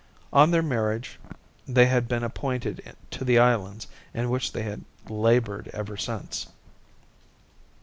On their marriage they had been appointed to the islands in which they had laboured ever since.